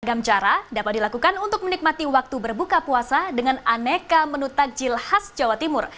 beragam cara dapat dilakukan untuk menikmati waktu berbuka puasa dengan aneka menu takjil khas jawa timur